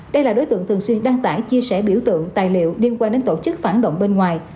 đây là đối tượng thường xuyên đăng tải chia sẻ biểu tượng tài liệu liên quan đến tổ chức phản động bên ngoài